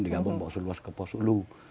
digabung bawa seluas kapuasulu